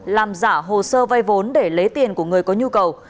làm giả hồ sơ vay vốn để lấy tiền của người có nhu cầu